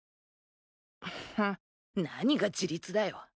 ふん何が自立だよ。